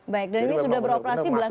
baik dan ini sudah beroperasi belasan